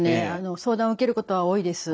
相談を受けることは多いです。